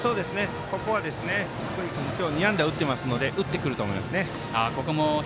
ここは福井君２安打打ってますので打ってくると思います。